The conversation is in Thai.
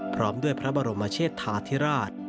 พร้อมด้วยพระบรมเชษฐาธิราช